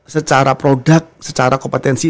secara produk secara kompetensi